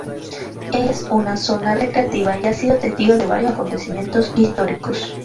Es una zona recreativa y ha sido testigo de variados acontecimientos históricos.